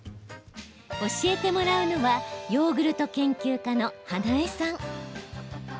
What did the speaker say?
教えてもらうのはヨーグルト研究家の花映さん。